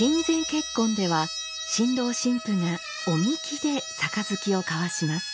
結婚では新郎新婦が御神酒で杯を交わします。